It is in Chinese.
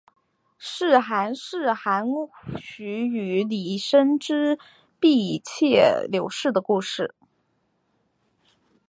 是寒士韩翃与李生之婢妾柳氏的故事。